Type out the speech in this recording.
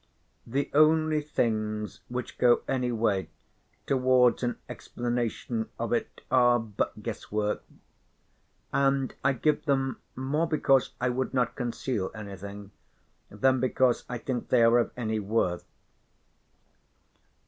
The only things which go any way towards an explanation of it are but guesswork, and I give them more because I would not conceal anything, than because I think they are of any worth.